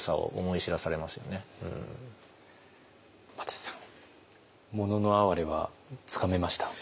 又吉さん「もののあはれ」はつかめました？